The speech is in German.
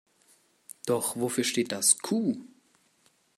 Doch wofür steht das Q?